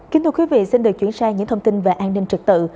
kính thưa quý vị xin được chuyển sang những thông tin về an ninh trật tự